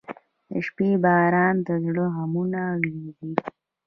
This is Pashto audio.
• د شپې باران د زړه غمونه وینځي.